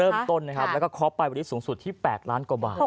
เริ่มต้นนะครับแล้วก็คอปไปวันนี้สูงสุดที่๘ล้านกว่าบาท